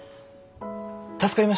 助かりました。